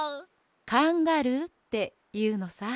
「カンガルー」っていうのさ。